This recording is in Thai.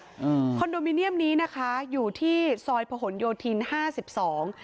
อืมคอนโดมิเนียมนี้นะคะอยู่ที่ซอยผนโยธินห้าสิบสอง